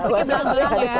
pastinya berang berang ya